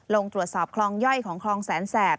ลงตรวจสอบคลองย่อยของคลองแสนแสบ